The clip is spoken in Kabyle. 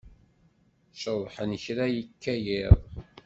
Ceḍḥent kra yekka yiḍ.